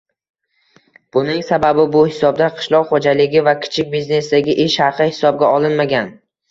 Buning sababi, bu hisobda qishloq xo'jaligi va kichik biznesdagi ish haqi hisobga olinmagan